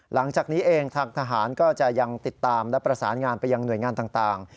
หลังจากนี้เองทางทหารก็จะยังติดตามและประสานงานไปยังหน่วยงานต่าง